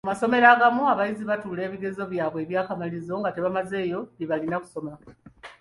Mu masomero agamu abayizi batuula ebigezo byabwe eby'akamalirizo nga tebamazeeyo bye balina kusoma.